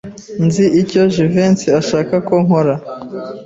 Nzi icyo Jivency azashaka ko nkora.